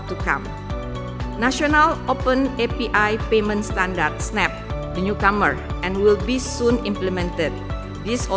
standard pembayaran open api nasional snap yang baru datang dan akan diimplementasikan segera